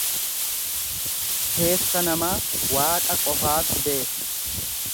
Keessa namaa waaqa qofaatu beeka.